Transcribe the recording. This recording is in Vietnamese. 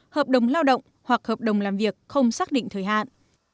hợp đồng lao động hoặc hợp đồng làm việc không xác định thời hạn